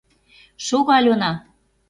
Шого, Алена!